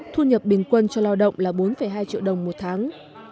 thu nhập bình quân cho lao động là bốn hai triệu đồng một tháng